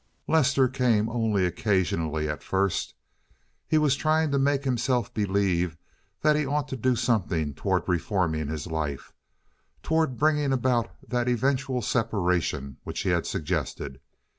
Lester came only occasionally at first. He was trying to make himself believe that he ought to do something toward reforming his life—toward bringing about that eventual separation which he had suggested.